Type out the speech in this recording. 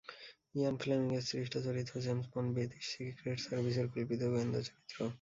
ইয়ান ফ্লেমিংয়ের সৃষ্ট চরিত্র জেমস বন্ড ব্রিটিশ সিক্রেট সার্ভিসের কল্পিত গোয়েন্দা চরিত্র।